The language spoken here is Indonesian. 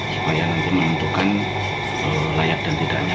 supaya nanti menentukan layak dan tidaknya